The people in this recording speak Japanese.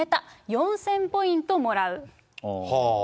４０００ポイントもらう。